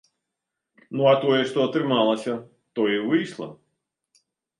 Ну, а тое што атрымалася, тое і выйшла.